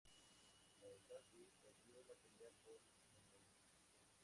Mousasi perdió la pelea por decisión unánime.